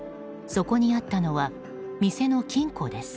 そこにあったのは店の金庫です。